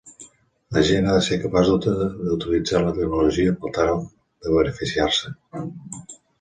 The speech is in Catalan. La gent ha de ser capaç d'utilitzar la tecnologia per tal de beneficiar-se'n.